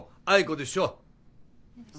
あいこでしょ